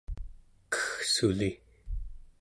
keggsuli